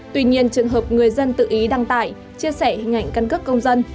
tuy nhiên trường hợp người dân tự ý đăng tải chia sẻ hình ảnh căn cước công dân